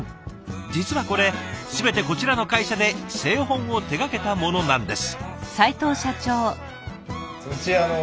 実はこれ全てこちらの会社で製本を手がけたものなんです。